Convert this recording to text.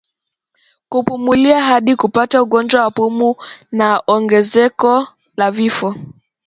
kupumulia hadi kupata ugonjwa wa pumu na ongezeko la vifo